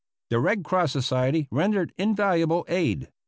The Red Cross Society rendered invaluable aid.